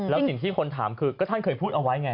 แล้วสิ่งที่คนถามคือก็ท่านเคยพูดเอาไว้ไง